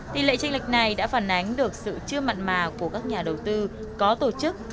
tỷ lệ tranh lệch này đã phản ánh được sự chưa mặn mà của các nhà đầu tư có tổ chức